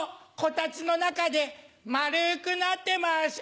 こたつの中でマルくなってます。